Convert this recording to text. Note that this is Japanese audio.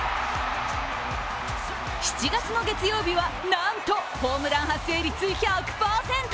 ７月の月曜日はなんとホームラン発生率１００％！